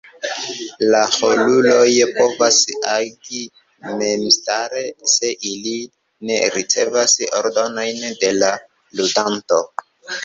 La roluloj povas agi memstare se ili ne ricevas ordonojn de la ludanto.